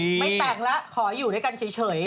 ไม่แต่งแล้วขออยู่ด้วยกันเฉย